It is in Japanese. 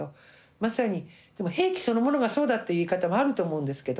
まさにでも兵器そのものがそうだという言い方もあると思うんですけど。